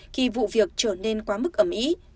khi vụ việc trở nên quá mức ẩm ý